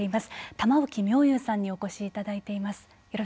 玉置妙憂さんにお越しいただいています。